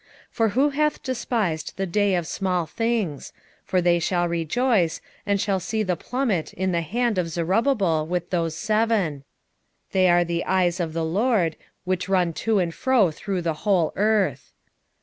4:10 For who hath despised the day of small things? for they shall rejoice, and shall see the plummet in the hand of Zerubbabel with those seven; they are the eyes of the LORD, which run to and fro through the whole earth.